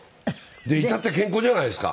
で至って健康じゃないですか。